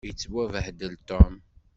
Yettwabehdel Tom.